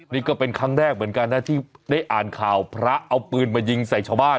นี่ก็เป็นครั้งแรกเหมือนกันนะที่ได้อ่านข่าวพระเอาปืนมายิงใส่ชาวบ้าน